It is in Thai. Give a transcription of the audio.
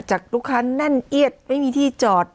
ลูกค้าแน่นเอียดไม่มีที่จอด